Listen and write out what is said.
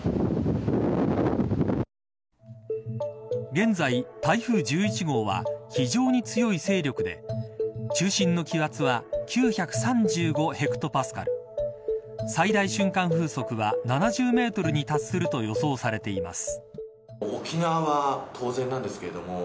現在、台風１１号は非常に強い勢力で中心の気圧は９３５ヘクトパスカル最大瞬間風速は７０メートルに達すると予想されています。